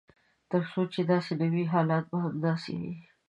تر څو چې داسې نه وي حالات به همداسې وي.